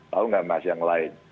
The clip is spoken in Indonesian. tahu nggak nas yang lain